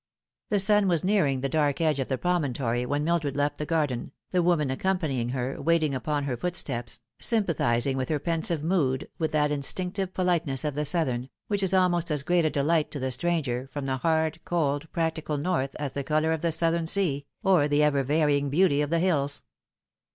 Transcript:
The sun was nearing the dark edge of the promontory when Mildred left the garden, the woman accompanying her, waiting upon her footsteps, sympathising with her pensive mood, with that instinctive politeness of the southern, which is almost as great a delight to the stranger from the hard, cold, practical north, as the colour of the southern sea, cr the ever varying beauty of the hills.